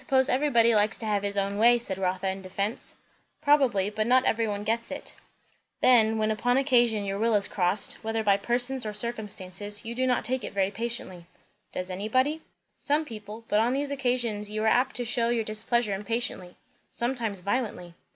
How is that?" "I suppose everybody likes to have his own way," said Rotha in defence. "Probably; but not every one gets it. Then, when upon occasion your will is crossed, whether by persons or circumstances, you do not take it very patiently." "Does anybody?" "Some people. But on these occasions you are apt to shew your displeasure impatiently sometimes violently."